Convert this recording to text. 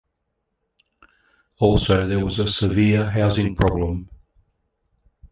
Also, there was a severe housing problem.